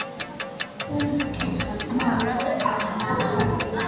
კუმ ჰკითხა:- ძმაო, რას აკეთებო?